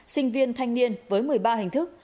sinh viên thanh niên với một mươi ba hình thức